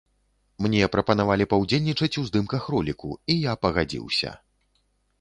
Мне прапанавалі паўдзельнічаць у здымках роліку, і я пагадзіўся.